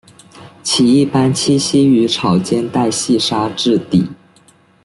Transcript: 其一般栖息于潮间带细砂质底。